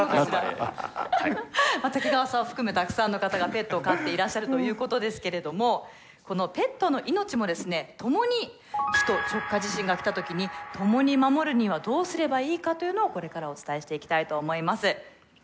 瀧川さんを含めたくさんの方がペットを飼っていらっしゃるということですけれどもこのペットの命もですねともに首都直下地震が来た時にともに守るにはどうすればいいかというのをこれからお伝えしていきたいと思います。